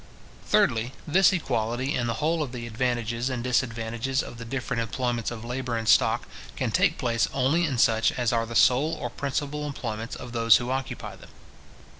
Thirdly, this equality in the whole of the advantages and disadvantages of the different employments of labour and stock, can take place only in such as are the sole or principal employments of those who occupy them.